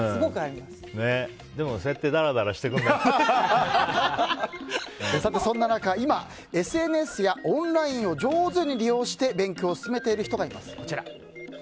でも、そうやってそんな中今ＳＮＳやオンラインを上手に利用して勉強を進めている人がいます。